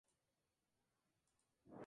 El clima es tropical pero generalmente seco.